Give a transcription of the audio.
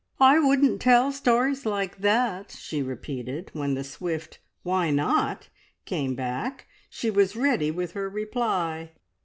"I wouldn't tell stories like that!" she repeated, and when the swift "Why not?" came back, she was ready with her reply.